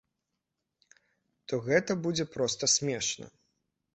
То гэта будзе проста смешна.